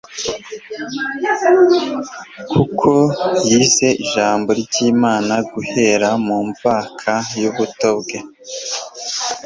kuko yize Ijambo ry'Imana guhera mu mvaka y'ubuto bwe.